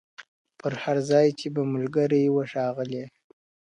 پر هر ځای چي به ملګري وه ښاغلي.